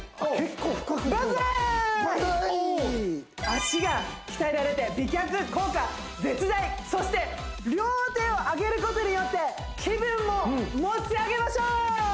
脚が鍛えられて美脚効果絶大そして両手を上げることによって気分も持ち上げましょう！